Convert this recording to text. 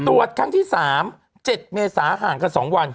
ตรวจครั้งที่๓๗เมษาห่างกัน๒วัน